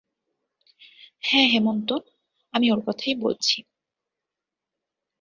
হ্যাঁ, হেমন্ত আমি ওর কথাই বলছি।